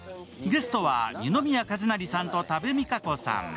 ゲストは二宮和也さんと多部未華子さん。